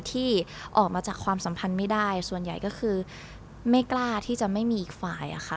ที่ออกมาจากความสัมพันธ์ไม่ได้ส่วนใหญ่ก็คือไม่กล้าที่จะไม่มีอีกฝ่ายอะค่ะ